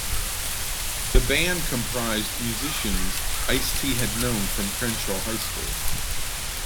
The band comprised musicians Ice-T had known from Crenshaw High School.